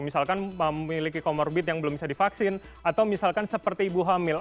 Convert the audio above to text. misalkan memiliki comorbid yang belum bisa divaksin atau misalkan seperti ibu hamil